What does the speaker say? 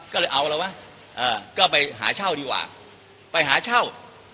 ก็เลยเอาแล้ววะก็ไปหาเช่าดีกว่าไปหาเช่า